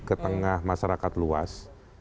ketengah masyarakat luas